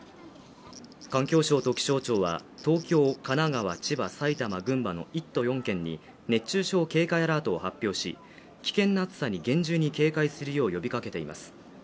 環境省と気象庁は東京神奈川千葉埼玉群馬の１都４県に熱中症警戒アラートを発表し危険な暑さに厳重に警戒するよう呼びかけています